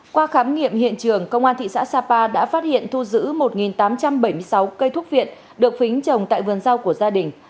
qua khám nghiệm hiện trường công an thị xã sapa đã phát hiện thu giữ một tám trăm bảy mươi sáu cây thuốc viện được phính trồng tại vườn rau của gia đình